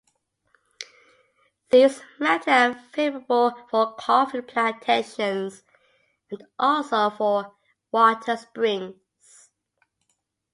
These mountain are favorable for coffee plantations and also for water springs.